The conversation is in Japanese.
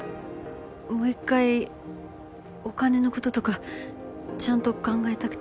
もう一回お金のこととかちゃんと考えたくて。